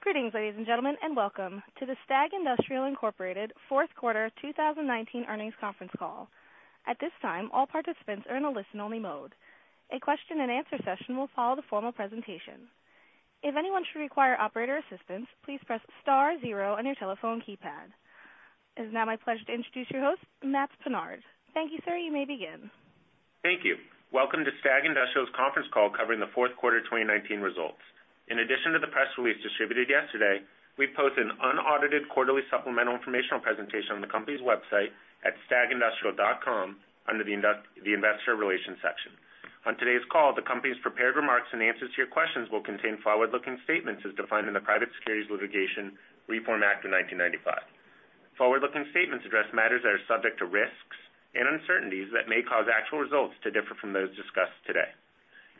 Greetings, ladies and gentlemen, and welcome to the STAG Industrial, Inc. fourth quarter 2019 earnings conference call. At this time, all participants are in a listen-only mode. A question and answer session will follow the formal presentation. If anyone should require operator assistance, please press star zero on your telephone keypad. It is now my pleasure to introduce your host, Matts Pinard. Thank you, sir. You may begin. Thank you. Welcome to STAG Industrial's conference call covering the fourth quarter 2019 results. In addition to the press release distributed yesterday, we posted an unaudited quarterly supplemental informational presentation on the company's website at stagindustrial.com under the Investor Relations section. On today's call, the company's prepared remarks and answers to your questions will contain forward-looking statements as defined in the Private Securities Litigation Reform Act of 1995. Forward-looking statements address matters that are subject to risks and uncertainties that may cause actual results to differ from those discussed today.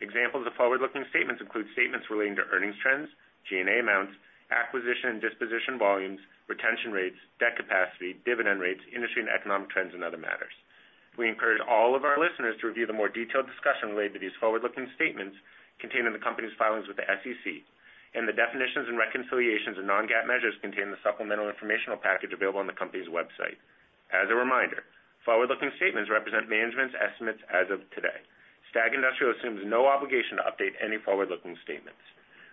Examples of forward-looking statements include statements relating to earnings trends, G&A amounts, acquisition and disposition volumes, retention rates, debt capacity, dividend rates, industry and economic trends, and other matters. We encourage all of our listeners to review the more detailed discussion related to these forward-looking statements contained in the company's filings with the SEC and the definitions and reconciliations of non-GAAP measures contained in the supplemental informational package available on the company's website. As a reminder, forward-looking statements represent management's estimates as of today. STAG Industrial assumes no obligation to update any forward-looking statements.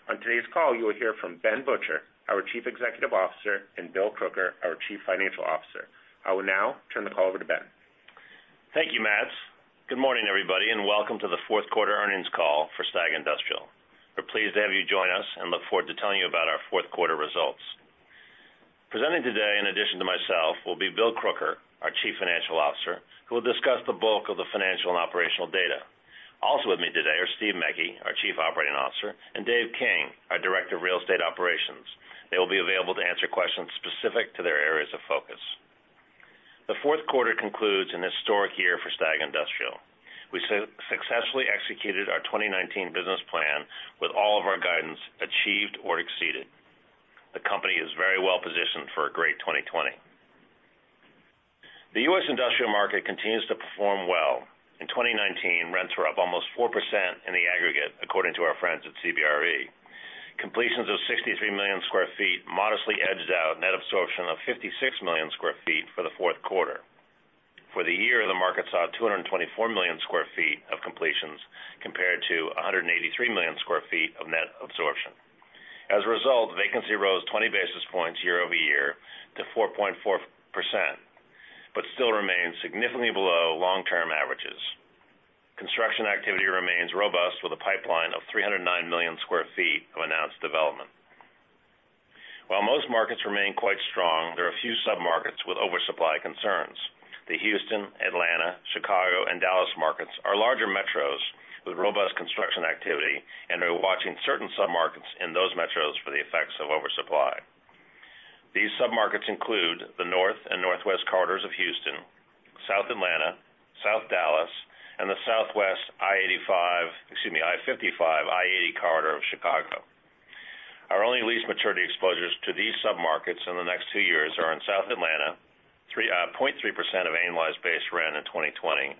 On today's call, you will hear from Ben Butcher, our Chief Executive Officer, and Bill Crooker, our Chief Financial Officer. I will now turn the call over to Ben. Thank you, Matts. Good morning, everybody, and welcome to the fourth quarter earnings call for STAG Industrial. We're pleased to have you join us and look forward to telling you about our fourth quarter results. Presenting today, in addition to myself, will be Bill Crooker, our Chief Financial Officer, who will discuss the bulk of the financial and operational data. Also with me today are Steve Mecke, our Chief Operating Officer, and David King, our Director of Real Estate Operations. They will be available to answer questions specific to their areas of focus. The fourth quarter concludes an historic year for STAG Industrial. We successfully executed our 2019 business plan with all of our guidance achieved or exceeded. The company is very well positioned for a great 2020. The U.S. industrial market continues to perform well. In 2019, rents were up almost 4% in the aggregate according to our friends at CBRE. Completions of 63 million square feet modestly edged out net absorption of 56 million square feet for the fourth quarter. For the year, the market saw 224 million square feet of completions compared to 183 million square feet of net absorption. As a result, vacancy rose 20 basis points year-over-year to 4.4%, but still remains significantly below long-term averages. Construction activity remains robust with a pipeline of 309 million square feet of announced development. While most markets remain quite strong, there are a few submarkets with oversupply concerns. The Houston, Atlanta, Chicago, and Dallas markets are larger metros with robust construction activity, and we're watching certain submarkets in those metros for the effects of oversupply. These submarkets include the north and northwest corridors of Houston, South Atlanta, South Dallas, and the southwest I-55, I-80 corridor of Chicago. Our only lease maturity exposures to these submarkets in the next two years are in South Atlanta, 0.3% of annualized base rent in 2020,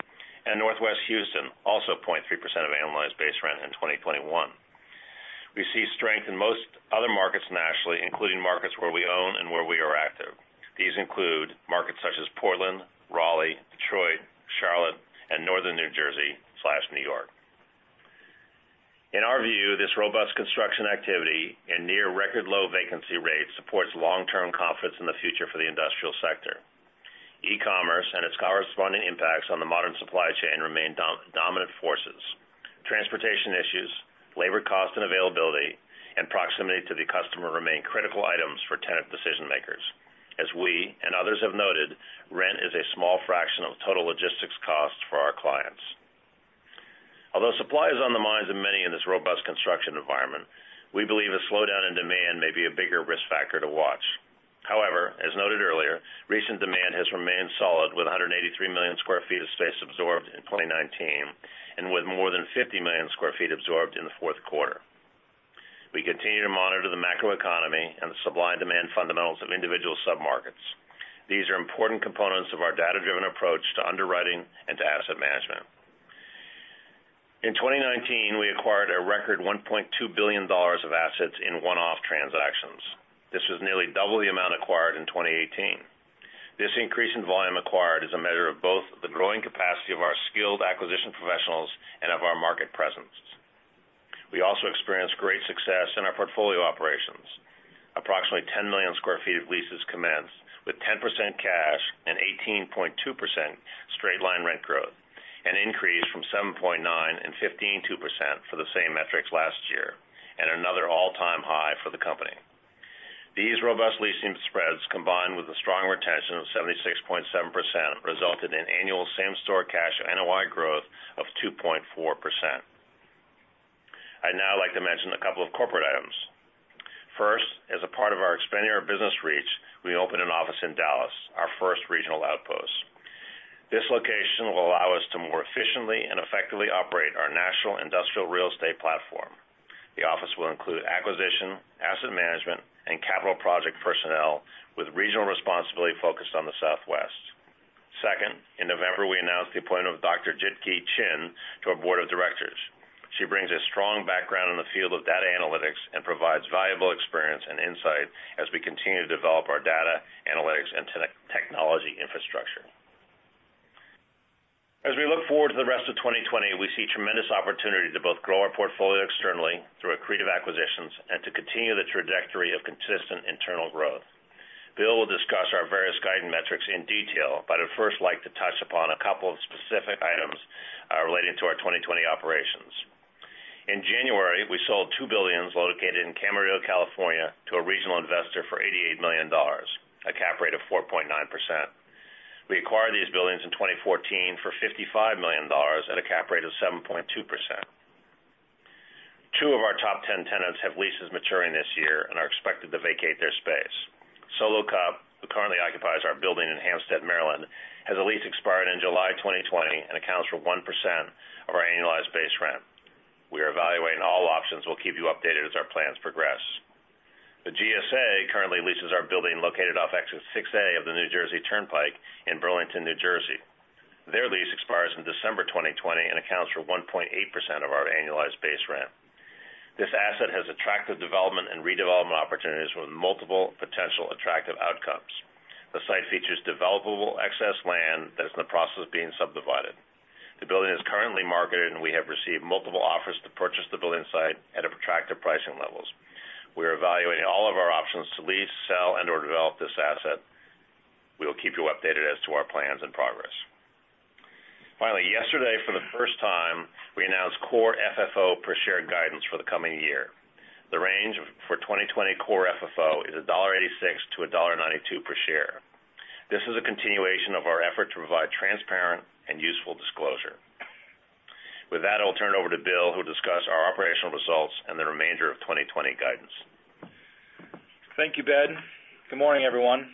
and Northwest Houston, also 0.3% of annualized base rent in 2021. We see strength in most other markets nationally, including markets where we own and where we are active. These include markets such as Portland, Raleigh, Detroit, Charlotte, and Northern New Jersey/New York. In our view, this robust construction activity and near record low vacancy rate supports long-term confidence in the future for the industrial sector. E-commerce and its corresponding impacts on the modern supply chain remain dominant forces. Transportation issues, labor cost and availability, and proximity to the customer remain critical items for tenant decision makers. As we and others have noted, rent is a small fraction of total logistics costs for our clients. Although supply is on the minds of many in this robust construction environment, we believe a slowdown in demand may be a bigger risk factor to watch. However, as noted earlier, recent demand has remained solid with 183 million square feet of space absorbed in 2019, and with more than 50 million square feet absorbed in the fourth quarter. We continue to monitor the macroeconomy and the supply and demand fundamentals of individual submarkets. These are important components of our data-driven approach to underwriting and to asset management. In 2019, we acquired a record $1.2 billion of assets in one-off transactions. This was nearly double the amount acquired in 2018. This increase in volume acquired is a measure of both the growing capacity of our skilled acquisition professionals and of our market presence. We also experienced great success in our portfolio operations. Approximately 10 million square feet of leases commenced, with 10% cash and 18.2% straight line rent growth, an increase from 7.9% and 15.2% for the same metrics last year, and another all-time high for the company. These robust leasing spreads, combined with the strong retention of 76.7%, resulted in annual same-store cash NOI growth of 2.4%. I'd now like to mention a couple of corporate items. First, as a part of our expanding our business reach, we opened an office in Dallas, our first regional outpost. This location will allow us to more efficiently and effectively operate our national industrial real estate platform. The office will include acquisition, asset management, and capital project personnel with regional responsibility focused on the Southwest. Second, in November, we announced the appointment of Dr. Jit Kee Chin to our Board of Directors. She brings a strong background in the field of data analytics and provides valuable experience and insight as we continue to develop our data analytics and technology infrastructure. As we look forward to the rest of 2020, we see tremendous opportunity to both grow our portfolio externally through accretive acquisitions and to continue the trajectory of consistent internal growth. Bill will discuss our various guidance metrics in detail, but I'd first like to touch upon a couple of specific items relating to our 2020 operations. In January, we sold two buildings located in Camarillo, California, to a regional investor for $88 million, a cap rate of 4.9%. We acquired these buildings in 2014 for $55 million at a cap rate of 7.2%. Two of our top 10 tenants have leases maturing this year and are expected to vacate their space. Solo Cup, who currently occupies our building in Hampstead, Maryland, has a lease expired in July 2020 and accounts for 1% of our annualized base rent. We are evaluating all options. We'll keep you updated as our plans progress. The GSA currently leases our building located off Exit 6A of the New Jersey Turnpike in Burlington, New Jersey. Their lease expires in December 2020 and accounts for 1.8% of our annualized base rent. This asset has attractive development and redevelopment opportunities with multiple potential attractive outcomes. The site features developable excess land that is in the process of being subdivided. The building is currently marketed, and we have received multiple offers to purchase the building site at attractive pricing levels. We are evaluating all of our options to lease, sell, and/or develop this asset. We will keep you updated as to our plans and progress. Finally, yesterday, for the first time, we announced Core FFO per share guidance for the coming year. The range for 2020 Core FFO is $1.86-$1.92 per share. This is a continuation of our effort to provide transparent and useful disclosure. With that, I'll turn it over to Bill, who'll discuss our operational results and the remainder of 2020 guidance. Thank you, Ben. Good morning, everyone.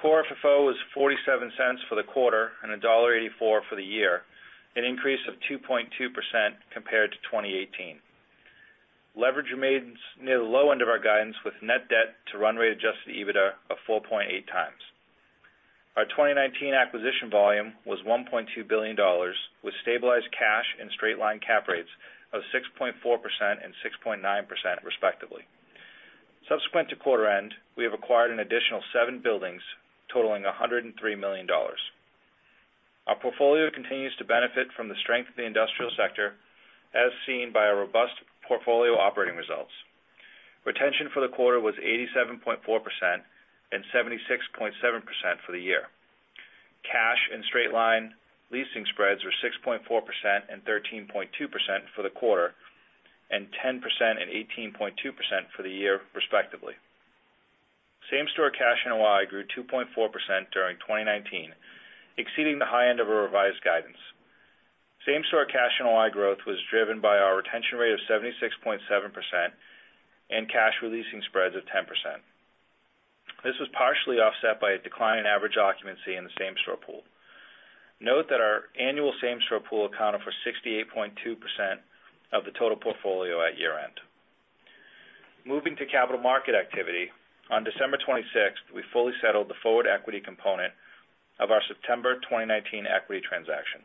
Core FFO was $0.47 for the quarter and $1.84 for the year, an increase of 2.2% compared to 2018. Leverage remains near the low end of our guidance, with net debt to run rate adjusted EBITDA of 4.8x. Our 2019 acquisition volume was $1.2 billion, with stabilized cash and straight line cap rates of 6.4% and 6.9%, respectively. Subsequent to quarter end, we have acquired an additional seven buildings totaling $103 million. Our portfolio continues to benefit from the strength of the industrial sector, as seen by our robust portfolio operating results. Retention for the quarter was 87.4% and 76.7% for the year. Cash and straight-line leasing spreads were 6.4% and 13.2% for the quarter, and 10% and 18.2% for the year respectively. Same-store cash NOI grew 2.4% during 2019, exceeding the high end of our revised guidance. Same-store cash NOI growth was driven by our retention rate of 76.7% and cash leasing spreads of 10%. This was partially offset by a decline in average occupancy in the same-store pool. Note that our annual same-store pool accounted for 68.2% of the total portfolio at year end. Moving to capital market activity, on December 26th, we fully settled the forward equity component of our September 2019 equity transaction.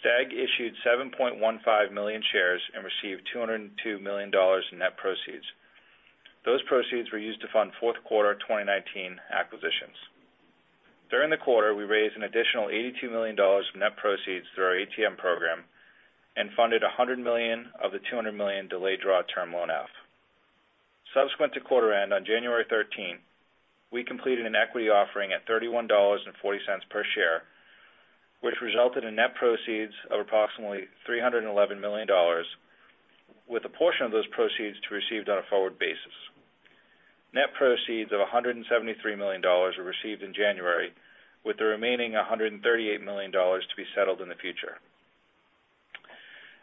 STAG issued 7.15 million shares and received $202 million in net proceeds. Those proceeds were used to fund fourth quarter 2019 acquisitions. During the quarter, we raised an additional $82 million from net proceeds through our ATM program and funded $100 million of the $200 million delayed draw term loan F. Subsequent to quarter end on January 13, we completed an equity offering at $31.40 per share, which resulted in net proceeds of approximately $311 million, with a portion of those proceeds to be received on a forward basis. Net proceeds of $173 million were received in January, with the remaining $138 million to be settled in the future.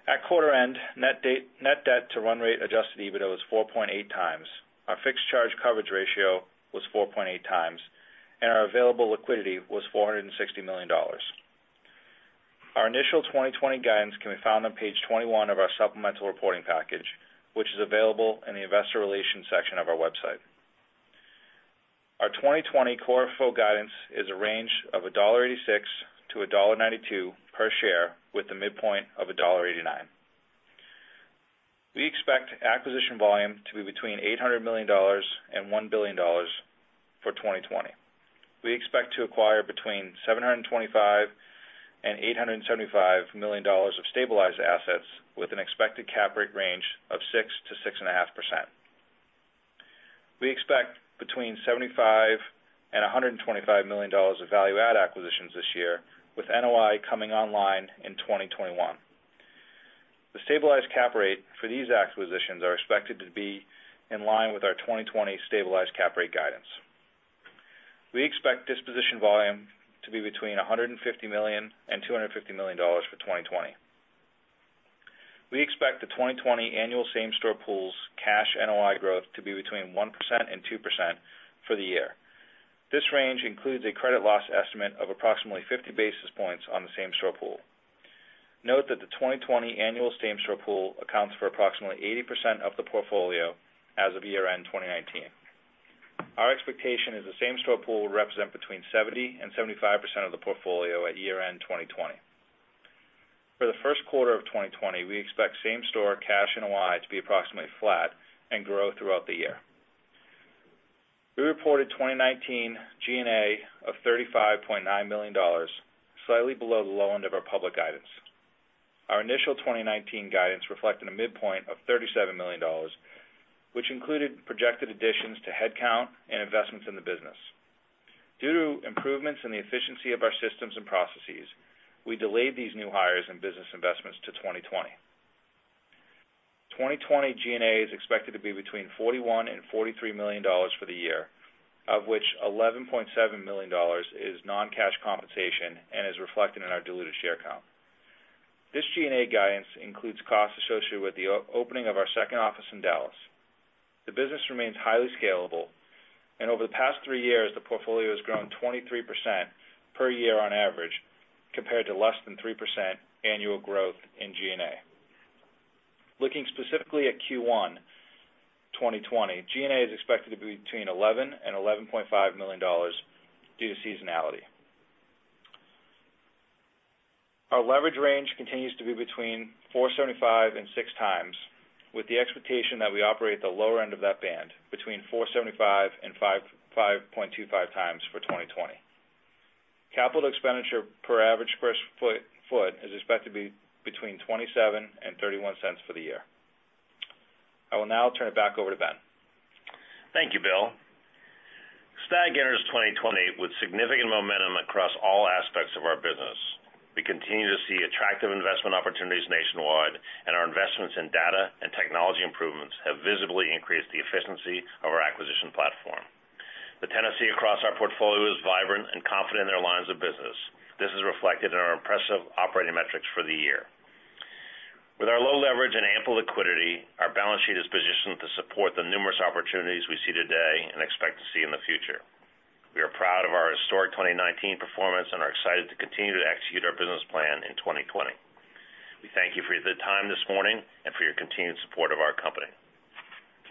At quarter end, net debt to run rate adjusted EBITDA was 4.8x. Our fixed charge coverage ratio was 4.8x, and our available liquidity was $460 million. Our initial 2020 guidance can be found on page 21 of our supplemental reporting package, which is available in the Investor Relations section of our website. Our 2020 Core FFO guidance is a range of $1.86-$1.92 per share, with the midpoint of $1.89. We expect acquisition volume to be between $800 million and $1 billion for 2020. We expect to acquire between $725 million and $875 million of stabilized assets with an expected cap rate range of 6%-6.5%. We expect between $75 million and $125 million of value add acquisitions this year, with NOI coming online in 2021. The stabilized cap rate for these acquisitions are expected to be in line with our 2020 stabilized cap rate guidance. We expect disposition volume to be between $150 million and $250 million for 2020. We expect the 2020 annual same-store pool's cash NOI growth to be between 1% and 2% for the year. This range includes a credit loss estimate of approximately 50 basis points on the same-store pool. Note that the 2020 annual same-store pool accounts for approximately 80% of the portfolio as of year-end 2019. Our expectation is the same-store pool will represent between 70% and 75% of the portfolio at year-end 2020. For the first quarter of 2020, we expect same-store cash NOI to be approximately flat and grow throughout the year. We reported 2019 G&A of $35.9 million, slightly below the low end of our public guidance. Our initial 2019 guidance reflected a midpoint of $37 million, which included projected additions to headcount and investments in the business. Due to improvements in the efficiency of our systems and processes, we delayed these new hires and business investments to 2020. 2020 G&A is expected to be between $41 million and $43 million for the year, of which $11.7 million is non-cash compensation and is reflected in our diluted share count. This G&A guidance includes costs associated with the opening of our second office in Dallas. The business remains highly scalable, over the past three years, the portfolio has grown 23% per year on average, compared to less than 3% annual growth in G&A. Looking specifically at Q1 2020, G&A is expected to be between $11 million and $11.5 million due to seasonality. Our leverage range continues to be between 4.75x and 6x, with the expectation that we operate at the lower end of that band, between 4.75x and 5.25x for 2020. Capital expenditure per average square foot is expected to be between $0.27 and $0.31 for the year. I will now turn it back over to Ben. Thank you, Bill. STAG enters 2020 with significant momentum across all aspects of our business. We continue to see attractive investment opportunities nationwide, and our investments in data and technology improvements have visibly increased the efficiency of our acquisition platform. The tenancy across our portfolio is vibrant and confident in their lines of business. This is reflected in our impressive operating metrics for the year. With our low leverage and ample liquidity, our balance sheet is positioned to support the numerous opportunities we see today and expect to see in the future. We are proud of our historic 2019 performance and are excited to continue to execute our business plan in 2020. We thank you for your time this morning and for your continued support of our company.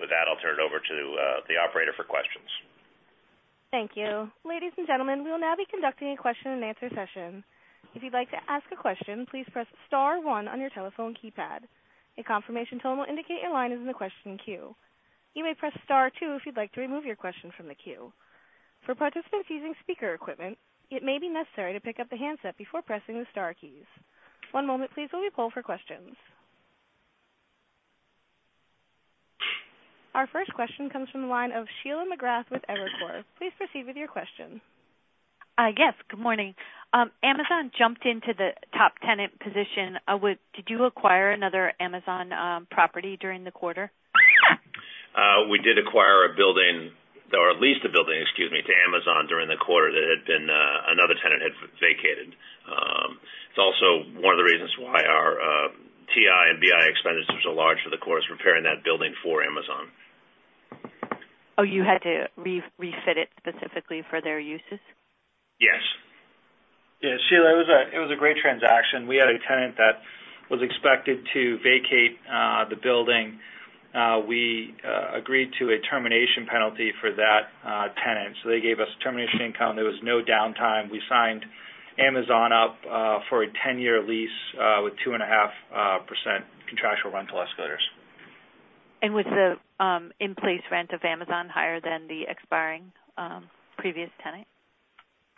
With that, I'll turn it over to the operator for questions. Thank you. Ladies and gentlemen, we will now be conducting a question-and-answer session. If you'd like to ask a question, please press star one on your telephone keypad. A confirmation tone will indicate your line is in the question queue. You may press star two if you'd like to remove your question from the queue. For participants using speaker equipment, it may be necessary to pick up the handset before pressing the star keys. One moment please, while we poll for questions. Our first question comes from the line of Sheila McGrath with Evercore. Please proceed with your question. Yes, good morning. Amazon jumped into the top tenant position. Did you acquire another Amazon property during the quarter? We did acquire a building, or leased a building, excuse me, to Amazon during the quarter that had been. Another tenant had vacated. It is also one of the reasons why our TI and LC expenditures are large for the quarter is preparing that building for Amazon. Oh, you had to refit it specifically for their uses? Yes. Sheila, it was a great transaction. We had a tenant that was expected to vacate the building. We agreed to a termination penalty for that tenant, so they gave us termination income. There was no downtime. We signed Amazon up for a 10-year lease with 2.5% contractual rental escalators. Was the in-place rent of Amazon higher than the expiring previous tenant?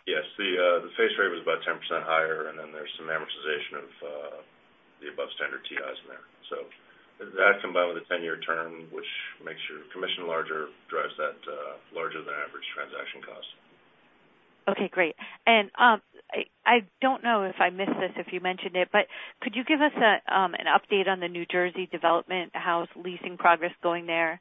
Yes. The base rate was about 10% higher. There's some amortization of the above-standard TIs in there. That, combined with a 10-year term, which makes your commission larger, drives that larger-than-average transaction cost. Okay, great. I don't know if I missed this, if you mentioned it, but could you give us an update on the New Jersey development? How's leasing progress going there?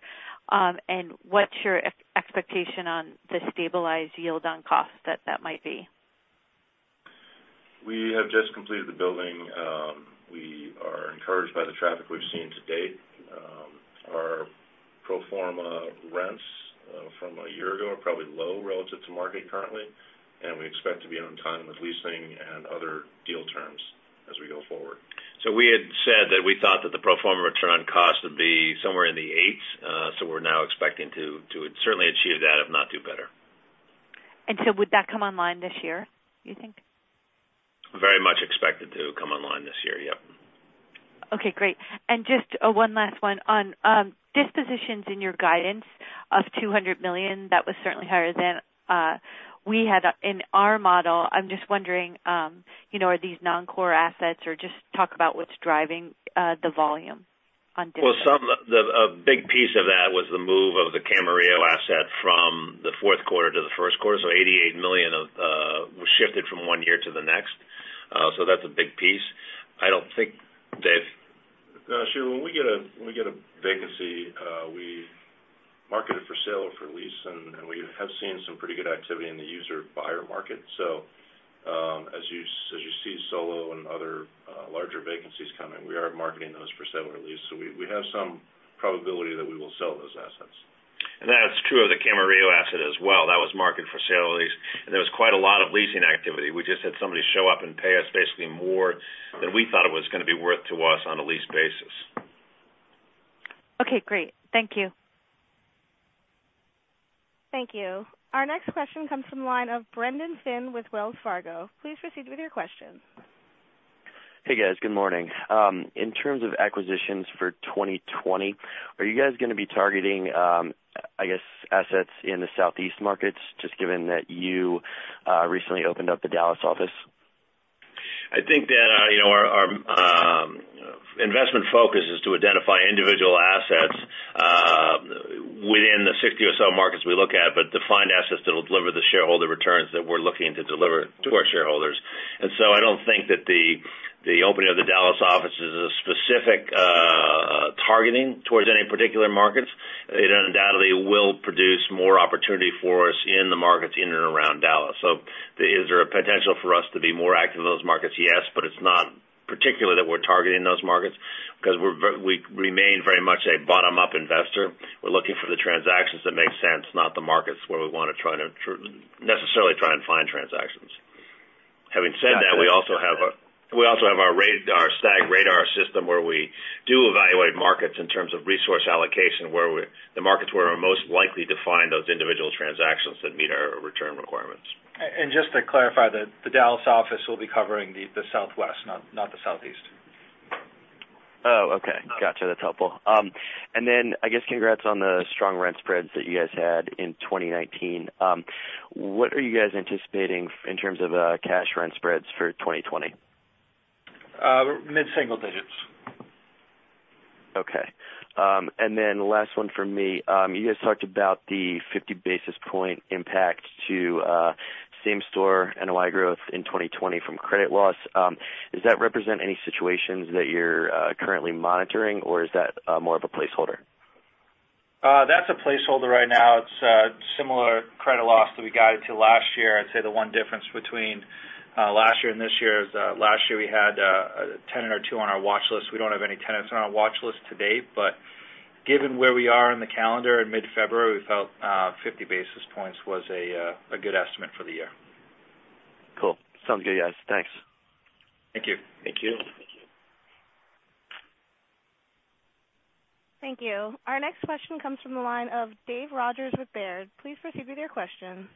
What's your expectation on the stabilized yield on cost that that might be? We have just completed the building. We are encouraged by the traffic we've seen to date. Our pro forma rents from a year ago are probably low relative to market currently. We expect to be on time with leasing and other deal terms as we go forward. We had said that we thought that the pro forma return on cost would be somewhere in the eights. We're now expecting to certainly achieve that, if not do better. Would that come online this year, do you think? Very much expected to come online this year, yep. Okay, great. Just one last one on dispositions in your guidance of $200 million. That was certainly higher than we had in our model. I'm just wondering, are these non-core assets? Just talk about what's driving the volume on this. Well, a big piece of that was the move of the Camarillo asset from the fourth quarter to the first quarter. $88 million was shifted from one year to the next. That's a big piece. I don't think, Dave? Sheila, when we get a vacancy, we market it for sale or for lease, we have seen some pretty good activity in the user-buyer market. We are marketing those for sale or lease. We have some probability that we will sell those assets. That's true of the Camarillo asset as well. That was marketed for sale or lease, and there was quite a lot of leasing activity. We just had somebody show up and pay us basically more than we thought it was going to be worth to us on a lease basis. Okay, great. Thank you. Thank you. Our next question comes from the line of Brendan Finn with Wells Fargo. Please proceed with your question. Hey, guys. Good morning. In terms of acquisitions for 2020, are you guys going to be targeting, I guess, assets in the Southeast markets, just given that you recently opened up the Dallas office? I think that our investment focus is to identify individual assets within the 60 or so markets we look at, but to find assets that will deliver the shareholder returns that we're looking to deliver to our shareholders. I don't think that the opening of the Dallas office is a specific targeting towards any particular markets. It undoubtedly will produce more opportunity for us in the markets in and around Dallas. Is there a potential for us to be more active in those markets? Yes, but it's not particular that we're targeting those markets because we remain very much a bottom-up investor. We're looking for the transactions that make sense, not the markets where we want to necessarily try and find transactions. Having said that, we also have our STAG radar system, where we do evaluate markets in terms of resource allocation, the markets where we're most likely to find those individual transactions that meet our return requirements. Just to clarify, the Dallas office will be covering the Southwest, not the Southeast. Oh, okay. Got you. That's helpful. Then I guess congrats on the strong rent spreads that you guys had in 2019. What are you guys anticipating in terms of cash rent spreads for 2020? Mid-single digits. Okay. Last one from me. You guys talked about the 50-basis point impact to same-store NOI growth in 2020 from credit loss. Does that represent any situations that you're currently monitoring, or is that more of a placeholder? That's a placeholder right now. It's a similar credit loss that we guided to last year. I'd say the one difference between last year and this year is last year we had a tenant or two on our watch list. We don't have any tenants on our watch list to date. Given where we are in the calendar in mid-February, we felt 50 basis points was a good estimate for the year. Cool. Sounds good, you guys. Thanks. Thank you. Thank you. Thank you. Our next question comes from the line of Dave Rogers with Baird. Please proceed with your question.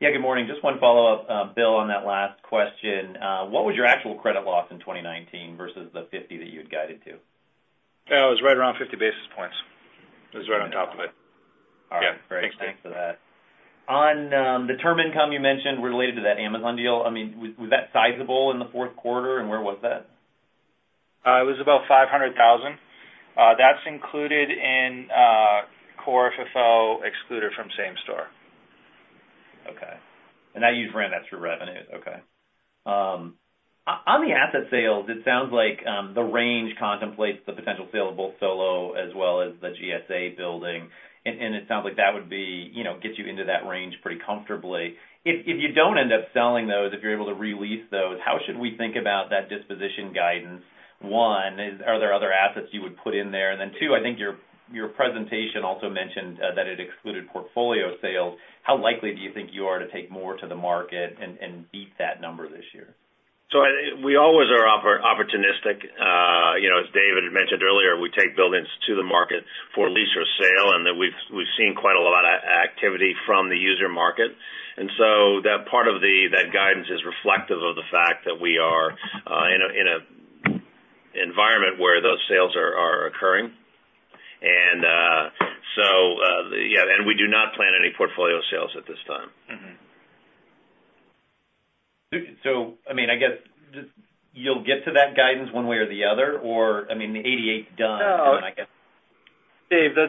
Yeah, good morning. Just one follow-up, Bill, on that last question. What was your actual credit loss in 2019 versus the $50 that you had guided to? It was right around 50 basis points. It was right on top of it. All right. Yeah. Great. Thanks for that. On the term income you mentioned related to that Amazon deal, was that sizable in the fourth quarter, and where was that? It was about $500,000. That's included in Core FFO, excluded from same store. Okay. That you've ran that through revenue? Okay. On the asset sales, it sounds like the range contemplates the potential sale of both Solo as well as the GSA building. It sounds like that would get you into that range pretty comfortably. If you don't end up selling those, if you're able to re-lease those, how should we think about that disposition guidance, one, are there other assets you would put in there? Then two, I think your presentation also mentioned that it excluded portfolio sales. How likely do you think you are to take more to the market and beat that number this year? We always are opportunistic. As David had mentioned earlier, we take buildings to the market for lease or sale, and then we've seen quite a lot of activity from the user market. That part of that guidance is reflective of the fact that we are in an environment where those sales are occurring. We do not plan any portfolio sales at this time. I guess you'll get to that guidance one way or the other, or, I mean, the 88 done, I guess. Dave, the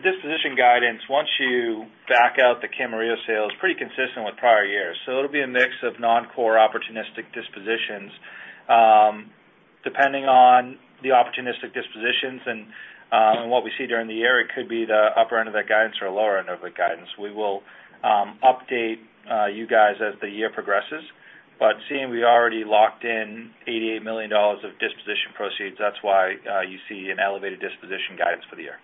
disposition guidance, once you back out the Camarillo sale, is pretty consistent with prior years. It'll be a mix of non-core opportunistic dispositions. Depending on the opportunistic dispositions and what we see during the year, it could be the upper end of that guidance or lower end of the guidance. We will update you guys as the year progresses. Seeing we already locked in $88 million of disposition proceeds, that's why you see an elevated disposition guidance for the year.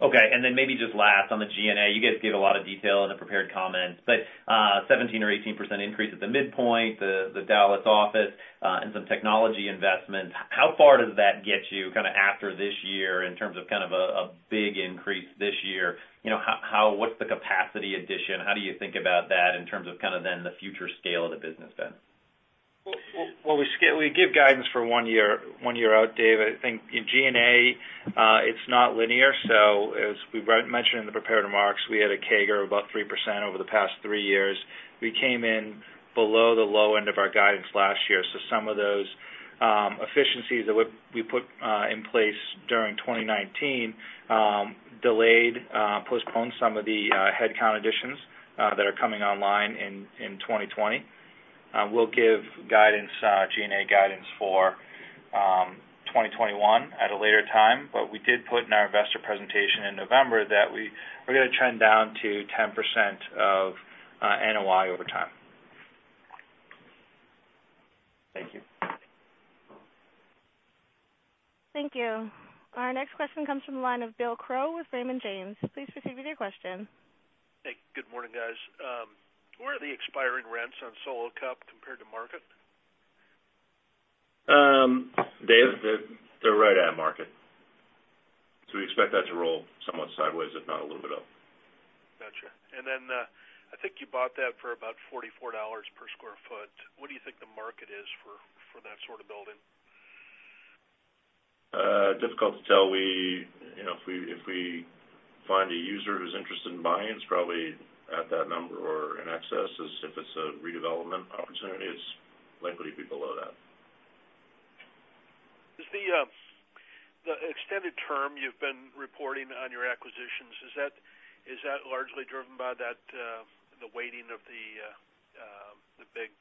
Okay. Then maybe just last on the G&A, you guys gave a lot of detail in the prepared comments, but 17% or 18% increase at the midpoint, the Dallas office, and some technology investments. How far does that get you kind of after this year in terms of kind of a big increase this year? What's the capacity addition? How do you think about that in terms of kind of then the future scale of the business then? Well, we give guidance for one year out, Dave. I think in G&A, it's not linear. As we mentioned in the prepared remarks, we had a CAGR of about 3% over the past three years. We came in below the low end of our guidance last year. Some of those efficiencies that we put in place during 2019 postponed some of the headcount additions that are coming online in 2020. We'll give G&A guidance for 2021 at a later time. We did put in our investor presentation in November that we're going to trend down to 10% of NOI over time. Thank you. Thank you. Our next question comes from the line of Bill Crow with Raymond James. Please proceed with your question. Hey, good morning, guys. Where are the expiring rents on Solo Cup compared to market? Dave? They're right at market. We expect that to roll somewhat sideways, if not a little bit up. Got you. I think you bought that for about $44 per square foot. What do you think the market is for that sort of building? Difficult to tell. If we find a user who's interested in buying, it's probably at that number or in excess. If it's a redevelopment opportunity, it's likely to be below that. Does the extended term you've been reporting on your acquisitions, is that largely driven by the waiting of the big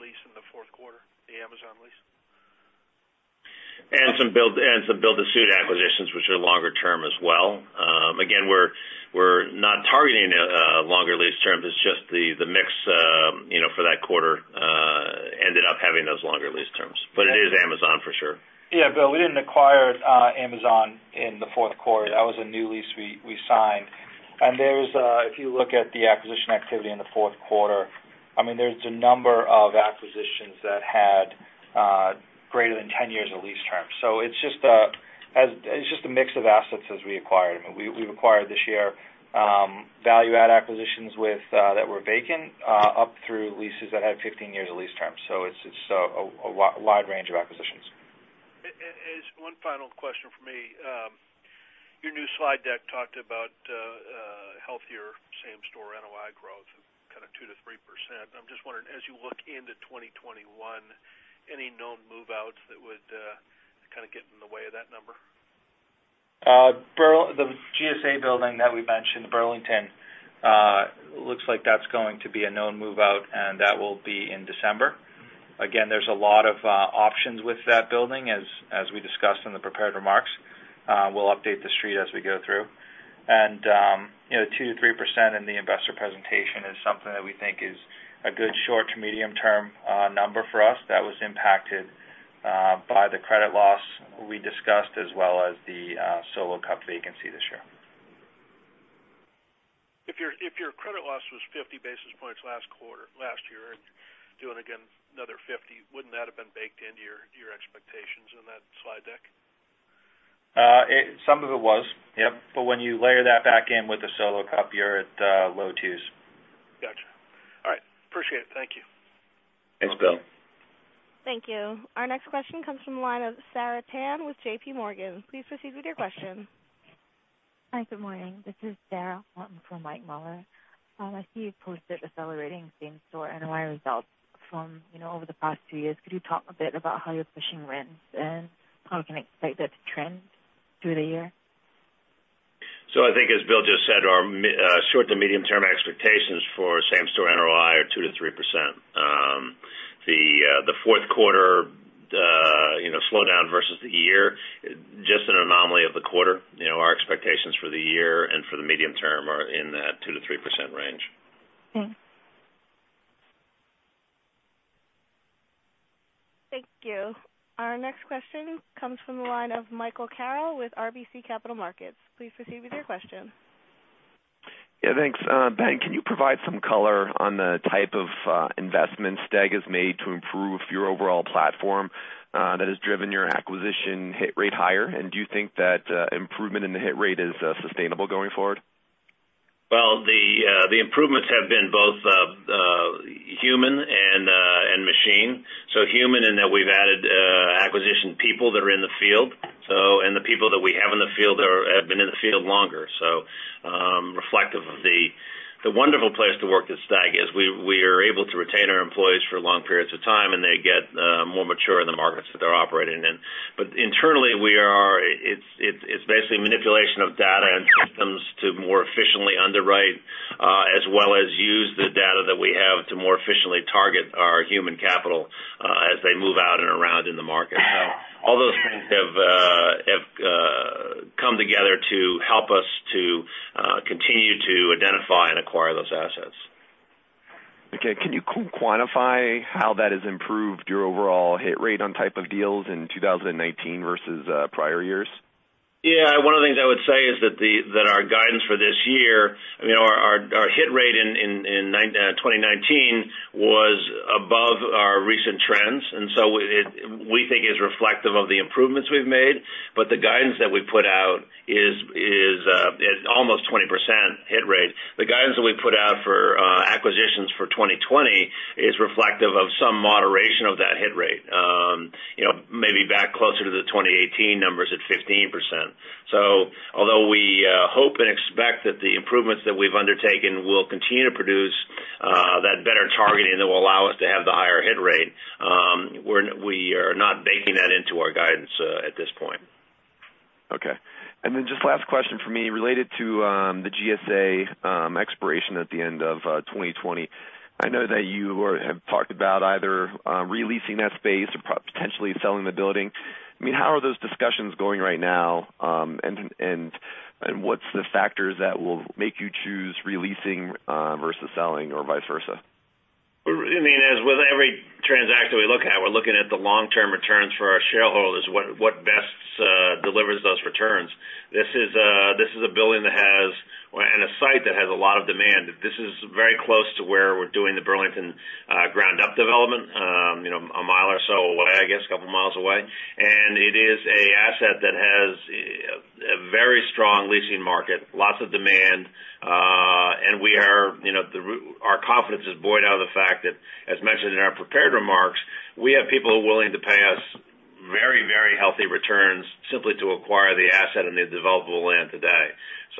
lease in the fourth quarter, the Amazon lease? Some build-to-suit acquisitions, which are longer term as well. Again, we're not targeting longer lease terms. It's just the mix for that quarter ended up having those longer lease terms. It is Amazon for sure. Bill, we didn't acquire Amazon in the fourth quarter. That was a new lease we signed. If you look at the acquisition activity in the fourth quarter, there's a number of acquisitions that had greater than 10 years of lease terms. It's just a mix of assets as we acquired them. We've acquired this year value-add acquisitions that were vacant, up through leases that had 15 years of lease terms. It's a wide range of acquisitions. One final question from me. Your new slide deck talked about healthier same-store NOI growth of 2%-3%. I'm just wondering, as you look into 2021, any known move-outs that would kind of get in the way of that number? The GSA building that we mentioned, the Burlington, looks like that's going to be a known move-out, and that will be in December. There's a lot of options with that building, as we discussed in the prepared remarks. We'll update The Street as we go through. 2%-3% in the investor presentation is something that we think is a good short to medium-term number for us. That was impacted by the credit loss we discussed, as well as the Solo Cup vacancy this year. If your credit loss was 50 basis points last year, and doing again another 50, wouldn't that have been baked into your expectations in that slide deck? Some of it was, yep. When you layer that back in with the Solo Cup, you're at low twos. Got you. All right. Appreciate it. Thank you. Thanks, Bill. Thank you. Our next question comes from the line of Sarah Tan with JPMorgan. Please proceed with your question. Hi, good morning. This is Sarah on for Michael Mueller. You posted accelerating same-store NOI results from over the past two years. Could you talk a bit about how you're pushing rents and how we can expect that to trend through the year? I think as Bill just said, our short to medium-term expectations for same-store NOI are 2%-3%. The fourth quarter slowdown versus the year, just an anomaly of the quarter. Our expectations for the year and for the medium term are in that 2%-3% range. Thank you. Our next question comes from the line of Michael Carroll with RBC Capital Markets. Please proceed with your question. Yeah, thanks. Ben, can you provide some color on the type of investments STAG has made to improve your overall platform that has driven your acquisition hit rate higher? Do you think that improvement in the hit rate is sustainable going forward? Well, the improvements have been both human and machine. Human in that we've added acquisition people that are in the field, and the people that we have in the field have been in the field longer. Reflective of the wonderful place to work that STAG is, we are able to retain our employees for long periods of time, and they get more mature in the markets that they're operating in. Internally, we are—it's basically manipulation of data and systems to more efficiently underwrite, as well as use the data that we have to more efficiently target our human capital as they move out and around in the market. All those things have come together to help us to continue to identify and acquire those assets. Okay. Can you quantify how that has improved your overall hit rate on type of deals in 2019 versus prior years? One of the things I would say is that our guidance for this year, our hit rate in 2019 was above our recent trends, and so we think is reflective of the improvements we've made. The guidance that we put out is at almost 20% hit rate. The guidance that we put out for acquisitions for 2020 is reflective of some moderation of that hit rate. Maybe back closer to the 2018 numbers at 15%. Although we hope and expect that the improvements that we've undertaken will continue to produce that better targeting that will allow us to have the higher hit rate, we are not baking that into our guidance at this point. Okay. Just last question from me related to the GSA expiration at the end of 2020. I know that you have talked about either re-leasing that space or potentially selling the building. How are those discussions going right now? What's the factors that will make you choose releasing versus selling or vice versa? With every transaction we look at, we're looking at the long-term returns for our shareholders, what best delivers those returns. This is a building and a site that has a lot of demand. This is very close to where we're doing the Burlington ground-up development, a mile or so away, I guess, a couple of miles away. It is a asset that has a very strong leasing market, lots of demand. Our confidence is born out of the fact that, as mentioned in our prepared remarks, we have people who are willing to pay us very healthy returns simply to acquire the asset and the developable land today.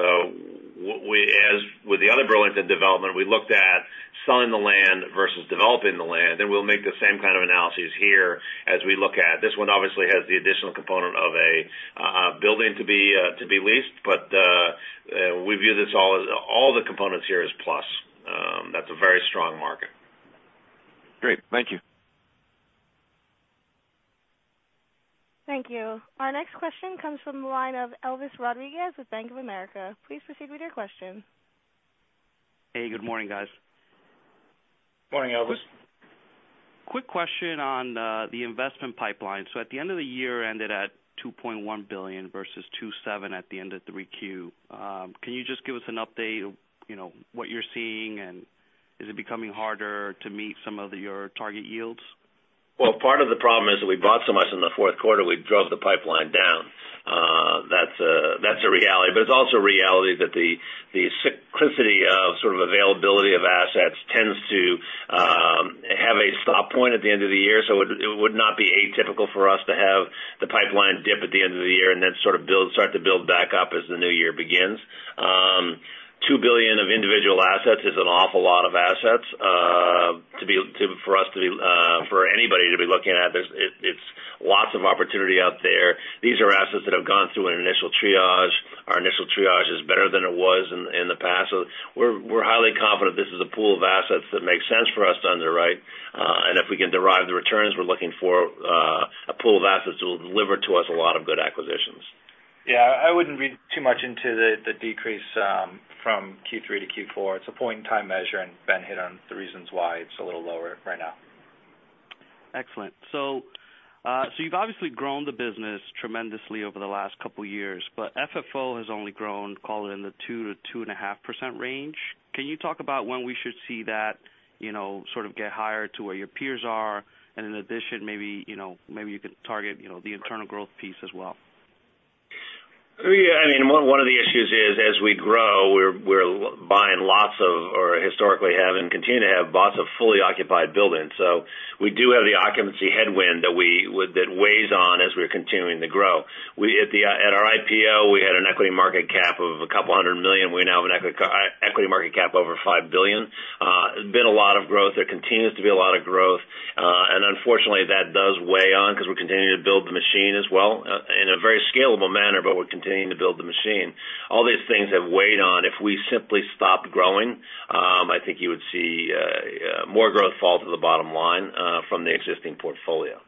As with the other Burlington development, we looked at selling the land versus developing the land, and we'll make the same kind of analysis here as we look at. This one obviously has the additional component of a building to be leased, but we view all the components here as plus. That's a very strong market. Great. Thank you. Thank you. Our next question comes from the line of Elvis Rodriguez with Bank of America. Please proceed with your question. Hey, good morning, guys. Morning, Elvis. Quick question on the investment pipeline. At the end of the year, ended at $2.1 billion versus $2.7 billion at the end of 3Q. Can you just give us an update, what you're seeing, and is it becoming harder to meet some of your target yields? Part of the problem is that we bought so much in the fourth quarter, we drove the pipeline down. That's a reality. It's also a reality that the cyclicity of sort of availability of assets tends to have a stop point at the end of the year, so it would not be atypical for us to have the pipeline dip at the end of the year and then sort of start to build back up as the new year begins. $2 billion of individual assets is an awful lot of assets for anybody to be looking at this. It's lots of opportunity out there. These are assets that have gone through an initial triage. Our initial triage is better than it was in the past. We're highly confident this is a pool of assets that makes sense for us to underwrite. If we can derive the returns we're looking for, a pool of assets that will deliver to us a lot of good acquisitions. I wouldn't read too much into the decrease from Q3 to Q4. It's a point-in-time measure, and Ben hit on the reasons why it's a little lower right now. Excellent. You've obviously grown the business tremendously over the last couple of years, but FFO has only grown, call it in the 2%-2.5% range. Can you talk about when we should see that sort of get higher to where your peers are? In addition, maybe you could target the internal growth piece as well. One of the issues is as we grow, we're buying lots of, or historically have, and continue to have, lots of fully occupied buildings. We do have the occupancy headwind that weighs on as we're continuing to grow. At our IPO, we had an equity market cap of $200 million. We now have an equity market cap over $5 billion. There's been a lot of growth. There continues to be a lot of growth. Unfortunately, that does weigh on because we're continuing to build the machine as well in a very scalable manner, but we're continuing to build the machine. All these things have weighed on. If we simply stopped growing, I think you would see more growth fall to the bottom line from the existing portfolio.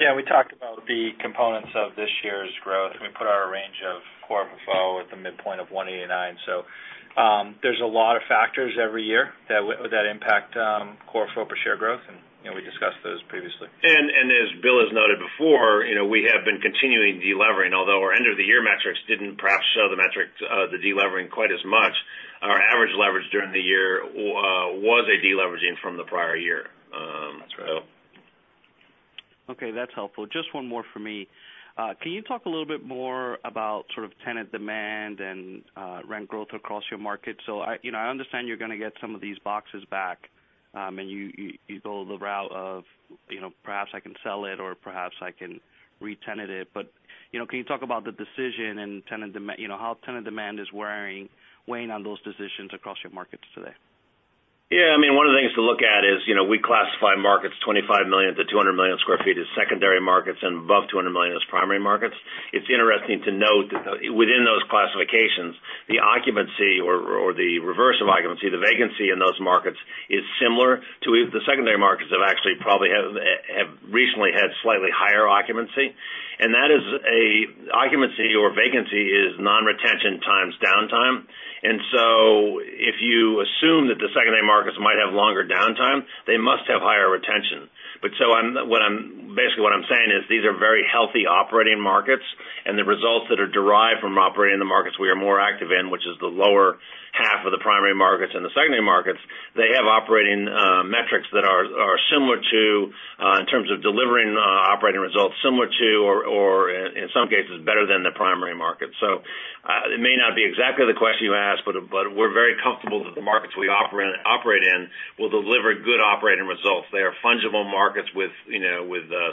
Yeah, we talked about the components of this year's growth. We put our range of Core FFO at the midpoint of $1.89. There's a lot of factors every year that impact Core FFO per share growth, we discussed those previously. As Bill has noted before, we have been continuing de-levering, although our end-of-the-year metrics didn't perhaps show the de-levering quite as much. Our average leverage during the year was a de-leveraging from the prior year. Okay, that's helpful. Just one more for me. Can you talk a little bit more about sort of tenant demand and rent growth across your market? I understand you're going to get some of these boxes back, and you go the route of, perhaps I can sell it or perhaps I can re-tenant it. Can you talk about the decision and how tenant demand is weighing on those decisions across your markets today? Yeah. One of the things to look at is, we classify markets 25 million to 200 million square feet as secondary markets and above 200 million as primary markets. It's interesting to note within those classifications, the occupancy or the reverse of occupancy, the vacancy in those markets is similar to the secondary markets that actually probably have recently had slightly higher occupancy. That is a occupancy or vacancy is non-retention times downtime. If you assume that the secondary markets might have longer downtime, they must have higher retention. Basically, what I'm saying is these are very healthy operating markets, and the results that are derived from operating the markets we are more active in, which is the lower half of the primary markets and the secondary markets, they have operating metrics that are similar to, in terms of delivering operating results, similar to, or in some cases, better than the primary market. It may not be exactly the question you asked, but we're very comfortable that the markets we operate in will deliver good operating results. They are fungible markets with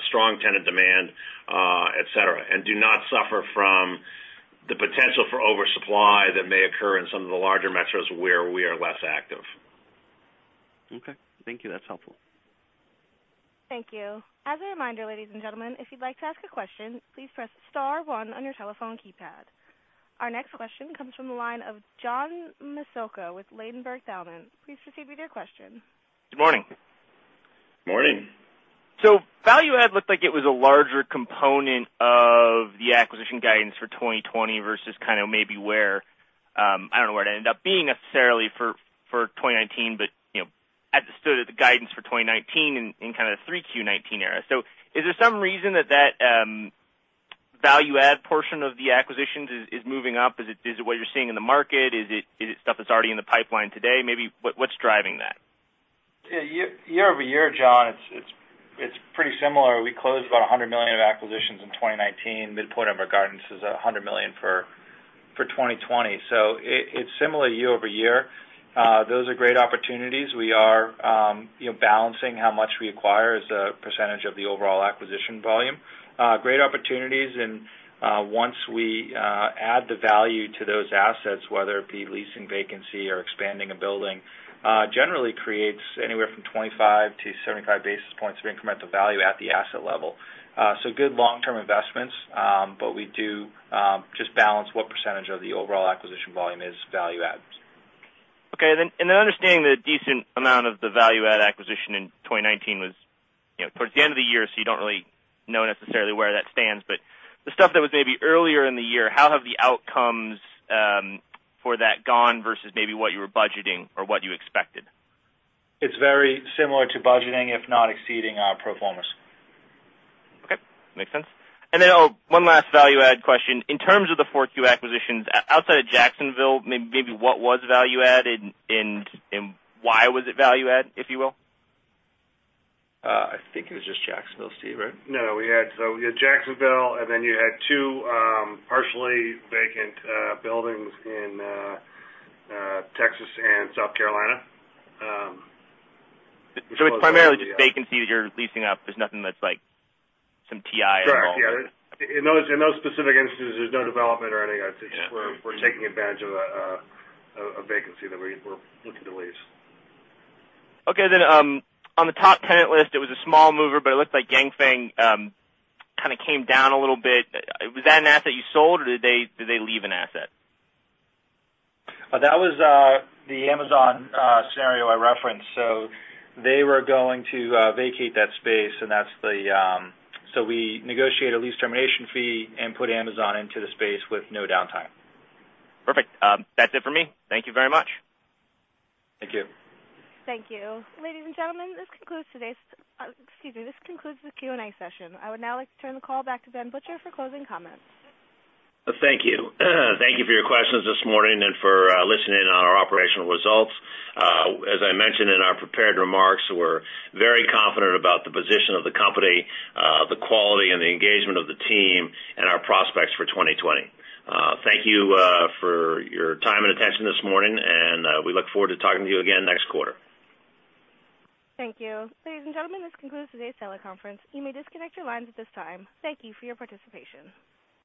strong tenant demand, et cetera, and do not suffer from the potential for oversupply that may occur in some of the larger metros where we are less active. Okay. Thank you. That's helpful. Thank you. As a reminder, ladies and gentlemen, if you'd like to ask a question, please press star one on your telephone keypad. Our next question comes from the line of John Massocca with Ladenburg Thalmann. Please proceed with your question. Good morning. Morning. Value add looked like it was a larger component of the acquisition guidance for 2020 versus kind of maybe where, I don't know where it ended up being necessarily for 2019, but as it stood at the guidance for 2019 in kind of 3Q 2019 era. Is there some reason that value add portion of the acquisitions is moving up? Is it what you're seeing in the market? Is it stuff that's already in the pipeline today? Maybe, what's driving that? Year-over-year, John, it's pretty similar. We closed about $100 million of acquisitions in 2019. Midpoint of our guidance is $100 million for 2020. It's similar year-over-year. Those are great opportunities. We are balancing how much we acquire as a percentage of the overall acquisition volume. Great opportunities and once we add the value to those assets, whether it be leasing vacancy or expanding a building, generally creates anywhere from 25-75 basis points of incremental value at the asset level. Good long-term investments, but we do just balance what percentage of the overall acquisition volume is value add. Okay. Understanding that a decent amount of the value add acquisition in 2019 was towards the end of the year, so you don't really know necessarily where that stands. The stuff that was maybe earlier in the year, how have the outcomes for that gone versus maybe what you were budgeting or what you expected? It's very similar to budgeting, if not exceeding our pro formas. Okay. Makes sense. Then one last value add question. In terms of the 4Q acquisitions, outside of Jacksonville, maybe what was value add and why was it value add, if you will? I think it was just Jacksonville, Steve, right? No, we had Jacksonville, and then you had two partially vacant buildings in Texas and South Carolina. It's primarily just vacancies you're leasing up. There's nothing that's like some TI involved. Correct. Yeah. In those specific instances, there's no development or anything. Yeah. It's just we're taking advantage of a vacancy that we're looking to lease. Okay, on the top tenant list, it was a small mover, but it looked like Ganfeng kind of came down a little bit. Was that an asset you sold or did they leave an asset? That was the Amazon scenario I referenced. They were going to vacate that space, so we negotiated a lease termination fee and put Amazon into the space with no downtime. Perfect. That's it for me. Thank you very much. Thank you. Thank you. Ladies and gentlemen, this concludes the Q&A session. I would now like to turn the call back to Ben Butcher for closing comments. Thank you. Thank you for your questions this morning and for listening in on our operational results. As I mentioned in our prepared remarks, we're very confident about the position of the company, the quality and the engagement of the team, and our prospects for 2020. Thank you for your time and attention this morning, and we look forward to talking to you again next quarter. Thank you. Ladies and gentlemen, this concludes today's teleconference. You may disconnect your lines at this time. Thank you for your participation.